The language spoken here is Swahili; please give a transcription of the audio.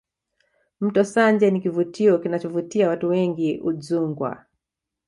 mto sanje ni kivutio kinachovutia watu wengi udzungwa